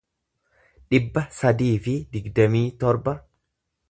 dhibba sadii fi digdamii torba